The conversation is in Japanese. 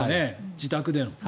自宅での。